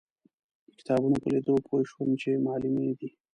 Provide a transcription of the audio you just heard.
د کتابونو په لیدو پوی شوم چې معلمینې دي.